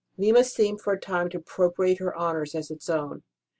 Lima seemed for the time to appropriate her honours as its own.